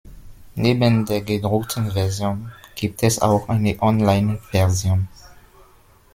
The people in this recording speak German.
Neben der gedruckten Version gibt es auch eine Online-Version.